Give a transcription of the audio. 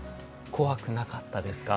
怖くなかったですか？